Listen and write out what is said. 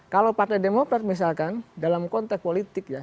kalau partai demokrat misalkan dalam konteks politik ya